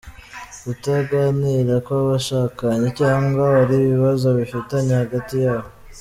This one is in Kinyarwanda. Kutaganira kw’abashakanye cyangwa hari ibibazo bafitanye hagati yabo.